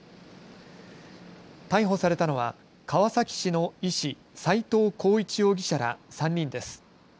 逮捕されたのは川崎市の医師、齋藤浩一容疑者ら３人です。